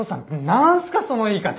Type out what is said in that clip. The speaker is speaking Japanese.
何すかその言い方。